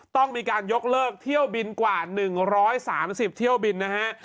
ต้องมีการยกเลิกเที่ยวบินกว่า๑๓๐เที่ยวบินนะฮะ